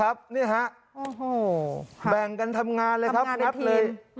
นี่ฮะโอ้โหแบ่งกันทำงานเลยครับนับเลย